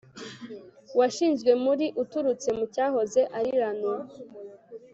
washinzwe muri uturutse mu cyahoze ari ranu